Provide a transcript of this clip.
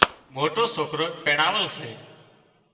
موٽِو سوڪرو پينڻاول سي